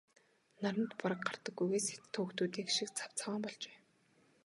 Наранд бараг гардаггүйгээс хятад хүүхнүүдийнх шиг цав цагаан болжээ.